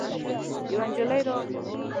يوه نجلۍ راغله.